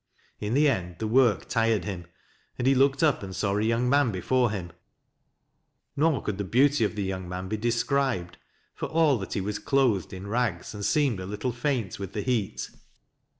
In the end the work tired him, and he looked up and saw a young man before him, nor could the beauty of the young man be described, for all that he was clothed in rags and seemed a little faint with the heat.